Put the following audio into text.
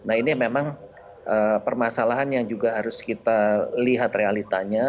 nah ini memang permasalahan yang juga harus kita lihat realitanya